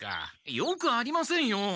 よくありませんよ！